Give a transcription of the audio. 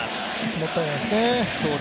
もったいないですね。